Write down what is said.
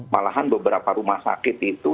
malahan beberapa rumah sakit itu